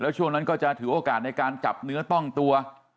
ช่วงนั้นก็จะถือโอกาสในการจับเนื้อต้องตัว